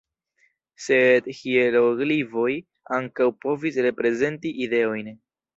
Sed hieroglifoj ankaŭ povis reprezenti "ideojn".